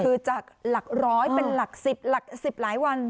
คือจากหลักร้อยเป็นหลัก๑๐หลัก๑๐หลายวัน